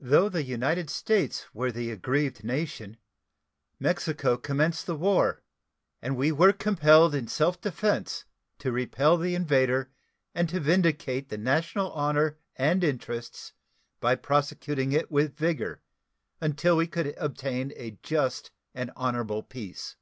Though the United States were the aggrieved nation, Mexico commenced the war, and we were compelled in self defense to repel the invader and to vindicate the national honor and interests by prosecuting it with vigor until we could obtain a just and honorable peace.